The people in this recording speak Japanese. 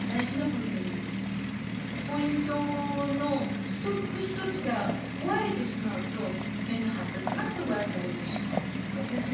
ポイントの一つ一つが壊れてしまうと目の発達が阻害されてしまうという形になります。